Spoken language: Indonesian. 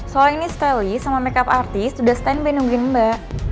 soalnya ini stelie sama makeup artist udah stand by nungguin mbak